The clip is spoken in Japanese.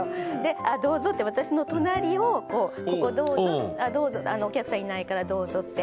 あどうぞって私の隣をこうここどうぞお客さんいないからどうぞって。